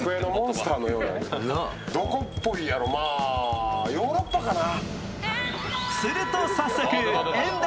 どこっぽいやろ、まあヨーロッパかな。